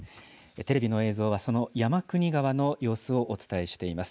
テレビの映像はその山国川の様子をお伝えしています。